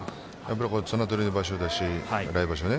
綱取り場所だし、来場所。